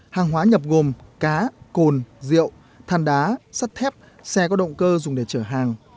hàng hóa nhập gồm cá cồn rượu than đá sắt thép xe có động cơ dùng để chở hàng